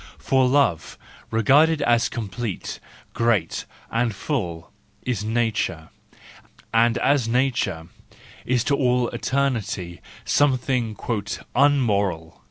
For love, regarded as complete, great, and full, is nature, and as nature, is to all eternity something "unmoral."